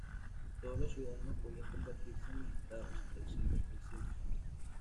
Todos los ciudadanos podían convertirse en magistrados, sin restricciones.